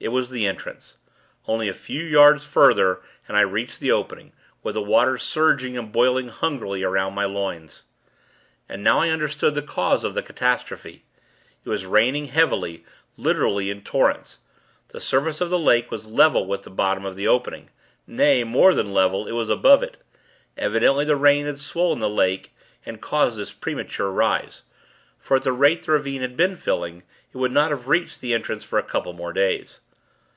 It was the entrance. Only a few yards further, and I reached the opening, with the water surging and boiling hungrily around my loins. And now I understood the cause of the catastrophe. It was raining heavily, literally in torrents. The surface of the lake was level with the bottom of the opening nay! more than level, it was above it. Evidently, the rain had swollen the lake, and caused this premature rise; for, at the rate the ravine had been filling, it would not have reached the entrance for a couple more days.